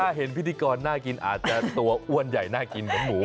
ถ้าเห็นพิธีกรน่ากินอาจจะตัวอ้วนใหญ่น่ากินเหมือนหมู